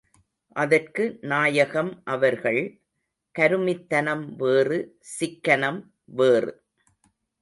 அதற்கு நாயகம் அவர்கள், கருமித் தனம் வேறு சிக்கனம் வேறு.